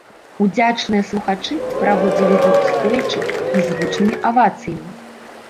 Удзячныя слухачы праводзілі гурт стоячы і з гучнымі авацыямі.